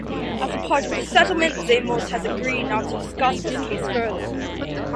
As part of this settlement, Zamos has agreed not to discuss the case further.